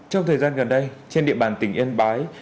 trong thời gian gần đây trên địa bàn tỉnh yên bái